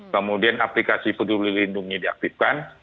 kemudian aplikasi peduli lindungi diaktifkan